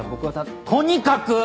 とにかく！